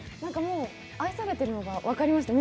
愛されているのが分かりました。